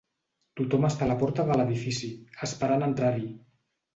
Tothom està a la porta de l'edifici, esperant entrar-hi.